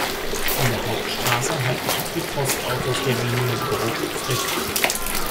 An der Hauptstrasse halten auch die Postautos der Linie Brugg–Frick.